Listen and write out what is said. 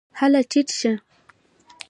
هله ټیټ شه !